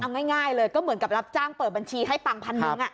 เอาง่ายเลยก็เหมือนกับรับจ้างเปิดบัญชีให้ตังค์พันหนึ่ง